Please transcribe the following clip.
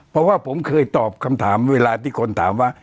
เพราะว่าผมเคยตอบคำถามเวลาที่คนถามว่า